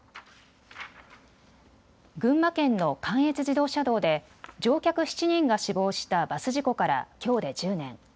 群馬県の関越自動車道で乗客７人が死亡したバス事故からきょうで１０年。